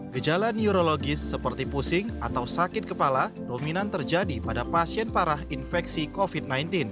gejala neurologis seperti pusing atau sakit kepala dominan terjadi pada pasien parah infeksi covid sembilan belas